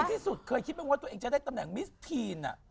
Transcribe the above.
ที่สุดเคยคิดไหมว่าตัวเองจะได้ตำแหน่งมิสทีน